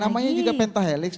namanya juga pentahelix